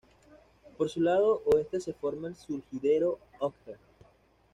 Por su lado oeste se forma el surgidero Otter.